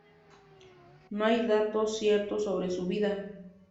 No hay datos ciertos sobre su vida.